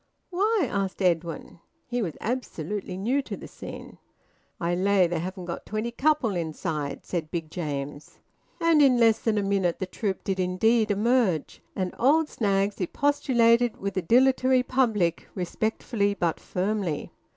"Why?" asked Edwin. He was absolutely new to the scene. "I lay they haven't got twenty couple inside," said Big James. And in less than a minute the troupe did indeed emerge, and old Snaggs expostulated with a dilatory public, respectfully but firmly.